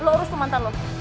lo urus ke mantan lo